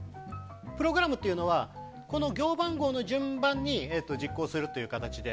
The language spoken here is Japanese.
プログラムというのは行番号の順番に実行するという形で。